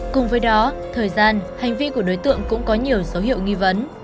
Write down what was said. cùng với đó thời gian hành vi của đối tượng cũng có nhiều dấu hiệu nghi vấn